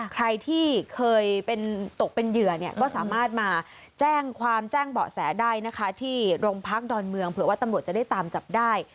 ใครที่เคยตกเป็นเหยื่อเนี่ยก็สามารถมาแจ้งความแจ้งเบาะแสได้นะคะที่โรงพักดอนเมืองเผื่อว่าตำรวจจะได้ตามจับได้